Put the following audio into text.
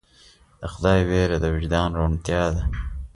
د خدای ویره د وجدان روڼتیا ده.